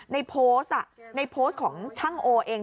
ในโพสต์ในโพสต์ของช่างโอเอง